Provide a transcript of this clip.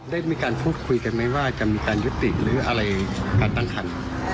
ได้มีการพูดคุยกันไหมว่าจะมีการยุติหรืออะไรการตั้งคัน